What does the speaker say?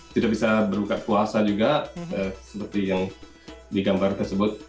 tidak bisa berbuka puasa juga seperti yang digambar tersebut